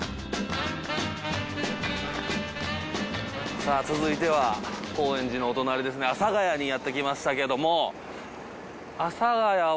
さぁ続いては高円寺のお隣ですね阿佐ヶ谷にやってきましたけども。